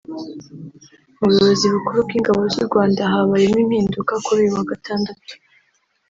Mu buyobozi bukuru bw’ingabo z’u Rwanda habayemo impinduka kuri uyu wa Gatandatu